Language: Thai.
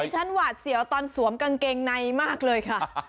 ฉันหวาดเสียวตอนสวมกางเกงในมากเลยค่ะ